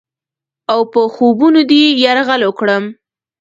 اوپه خوبونو دې یرغل وکړم؟